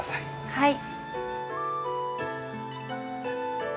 はい。